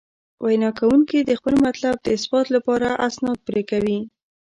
وینا کوونکي د خپل مطلب د اثبات لپاره استناد پرې کوي.